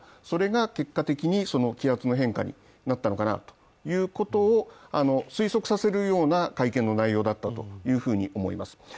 それが結果的に気圧の変化になったのかなということを推測させるような会見の内容だったというふうに思います。